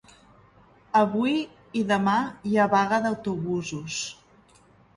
Avui i demà hi ha vaga d'autobusos